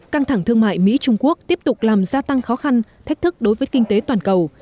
căng thẳng thương mại mỹ trung quốc tiếp tục làm gia tăng khó khăn thách thức đối với kinh tế toàn cầu